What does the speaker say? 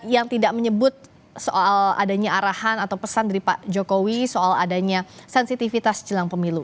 yang tidak menyebut soal adanya arahan atau pesan dari pak jokowi soal adanya sensitivitas jelang pemilu